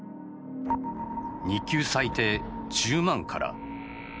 日給最低１０万から。